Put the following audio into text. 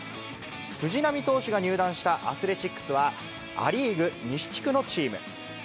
藤浪投手が入団したアスレチックスは、ア・リーグ西地区のチーム。